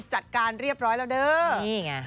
จัดการเรียบร้อยแล้วเด้อนี่ไง